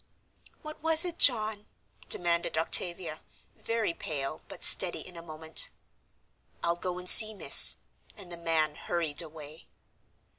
"What was it, John?" demanded Octavia, very pale, but steady in a moment. "I'll go and see, miss." And the man hurried away.